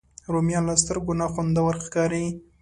رومیان له سترګو نه خوندور ښکاري